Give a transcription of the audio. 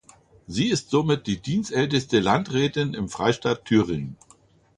Sie ist somit die dienstälteste Landrätin im Freistaat Thüringen.